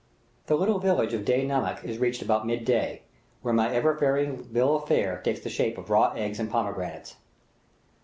The little village of Deh Namek is reached about mid day, where my ever varying bill of fare takes the shape of raw eggs and pomegranates.